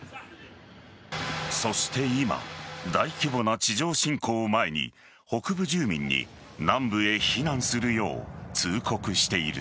そして、今大規模な地上侵攻を前に北部住民に南部へ避難するよう通告している。